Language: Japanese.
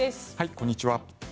こんにちは。